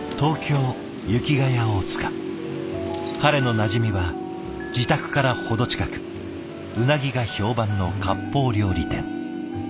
彼のなじみは自宅から程近くうなぎが評判のかっぽう料理店。